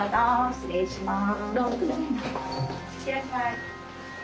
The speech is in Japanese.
失礼します。